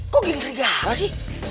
kok geng sri gala sih